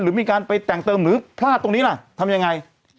หรือมีการไปแต่งเติมหรือพลาดตรงนี้ล่ะทำยังไง